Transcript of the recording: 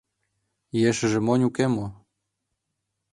— Ешыже монь уке мо?